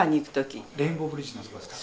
レインボーブリッジのあそこですか？